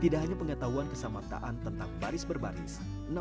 tidak hanya pengetahuan kesamataan tentang baris berbaris